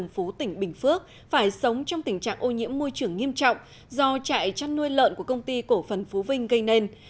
phú tỉnh bình phước phải sống trong tình trạng ô nhiễm môi trường nghiêm trọng do trại chăn nuôi lợn của công ty cổ phần phú vinh gây nên